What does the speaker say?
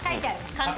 簡単。